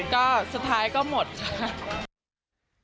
ก็สุดท้ายก็หมดค่ะ